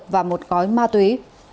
và một cói ma túy